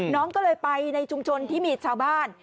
น้องก็เลยไปในชุมชนที่มีชาวบ้าน